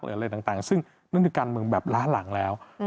อะไรต่างซึ่งนั่นคือการเมืองแบบล้าหลังแล้ว